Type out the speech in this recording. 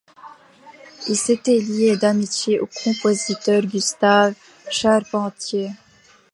Il s'était lié d'amitié au compositeur Gustave Charpentier.